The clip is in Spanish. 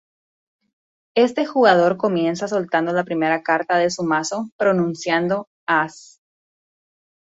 Este jugador comienza soltando la primera carta de su mazo pronunciando "As".